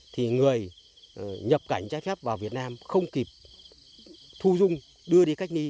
thì người nhập cảnh trái phép vào việt nam không kịp thu dung đưa đi cách ly